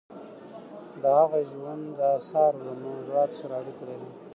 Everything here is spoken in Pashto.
د هغه ژوند د اثارو له موضوعاتو سره اړیکه لري.